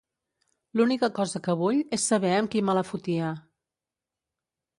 L'única cosa que vull és saber amb qui me la fotia.